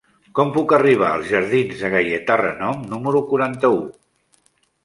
Com puc arribar als jardins de Gaietà Renom número quaranta-u?